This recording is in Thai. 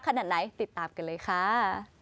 ขนาดไหนติดตามกันเลยค่ะ